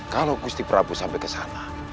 kalau gusti prabowo sampai ke sana